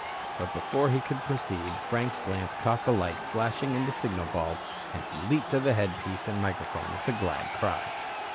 But before he could proceed, Frank's glance caught the light flashing in the signal bulb, and he leaped to the headpiece and microphone with a glad cry.